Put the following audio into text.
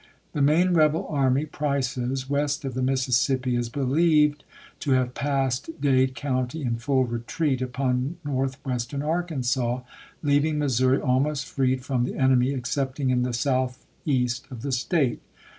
The main rebel army (Price's) west of the Mississippi is believed to have passed Dade County in full retreat upon northwestern Arkansas, leaving Missouri almost freed from the enemy, excepting in the southeast of the State.